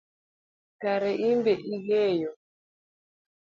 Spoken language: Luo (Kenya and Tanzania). Kare inbe ing’eyo?